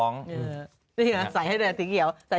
นี่นี่นี่นี่นี่นี่นี่